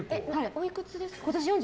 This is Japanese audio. おいくつですか？